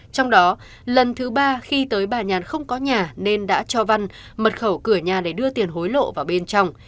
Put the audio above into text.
trong đó lần thứ ba khi tới bà nhàn không có nhà nên đã cho văn mật khẩu cửa nhà để đưa tiền hối lộ vào bên trong